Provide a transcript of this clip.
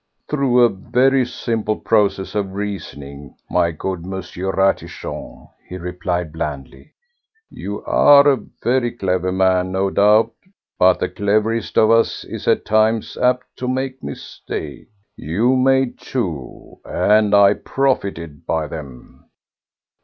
"Through a very simple process of reasoning, my good M. Ratichon," he replied blandly. "You are a very clever man, no doubt, but the cleverest of us is at times apt to make a mistake. You made two, and I profited by them.